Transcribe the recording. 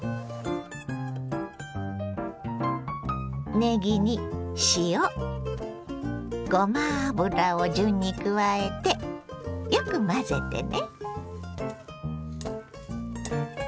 ねぎに塩ごま油を順に加えてよく混ぜてね。